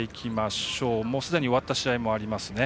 もうすでに終わった試合もあります。